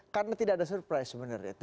karena tidak ada surprise bener ya